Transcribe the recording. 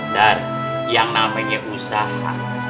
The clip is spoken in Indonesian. dan yang namanya usaha